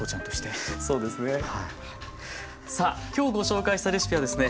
さあ今日ご紹介したレシピはですね